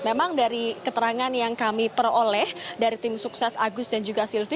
memang dari keterangan yang kami peroleh dari tim sukses agus dan juga silvi